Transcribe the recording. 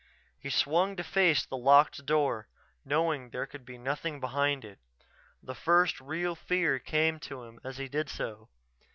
He swung to face the locked door, knowing there could be nothing behind it. The first real fear came to him as he did so.